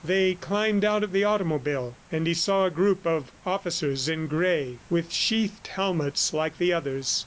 They climbed out of the automobile, and he saw a group of officers in gray, with sheathed helmets like the others.